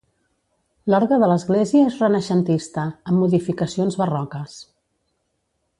L'Orgue de l'església és renaixentista, amb modificacions barroques.